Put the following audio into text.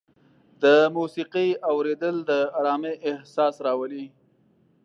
د موسیقۍ اورېدل د ارامۍ احساس راولي.